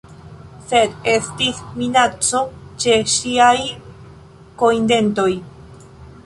Sed estis minaco ĉe ŝiaj kojndentoj.